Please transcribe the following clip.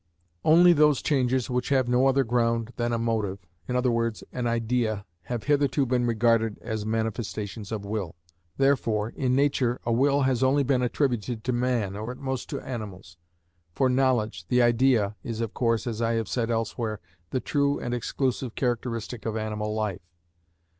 Only those changes which have no other ground than a motive, i.e., an idea, have hitherto been regarded as manifestations of will. Therefore in nature a will has only been attributed to man, or at the most to animals; for knowledge, the idea, is of course, as I have said elsewhere, the true and exclusive characteristic of animal life.